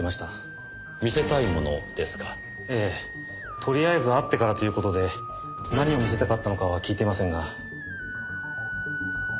とりあえず会ってからという事で何を見せたかったのかは聞いていませんが。